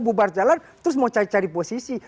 bubar jalan terus mau cari cari posisi